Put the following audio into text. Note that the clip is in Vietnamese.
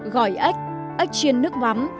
gỏi ếch ếch chiên nước vắm